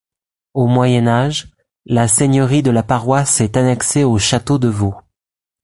Au Moyen Âge, la seigneurie de la paroisse est annexée au château de Vaux.